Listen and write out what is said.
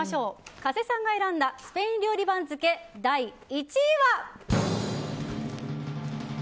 加瀬さんが選んだスペイン料理番付第１位は。